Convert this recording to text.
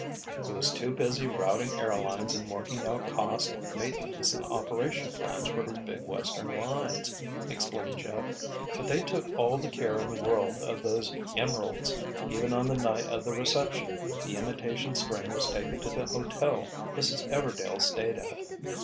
"He was too busy routing air lines and working out cost, maintenance and operation plans for his big Western lines," explained Jeff. "But they took all the care in the world of those emeralds. Even on the night of the reception, the imitation string was taken to the hotel Mrs. Everdail stayed at.